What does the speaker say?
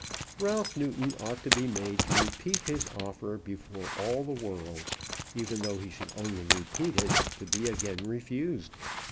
Ralph Newton ought to be made to repeat his offer before all the world; even though he should only repeat it to be again refused.